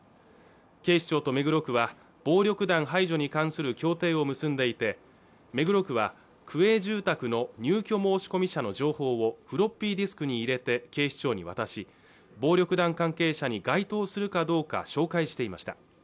警視庁と目黒区は暴力団排除に関する協定を結んでいて目黒区は区営住宅の入居申込者の情報をフロッピーディスクに入れて警視庁に渡し暴力団関係者に該当するかどうか紹介していました